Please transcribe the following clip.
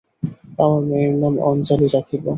আমার মেয়ের নাম আঞ্জালি রাখবে।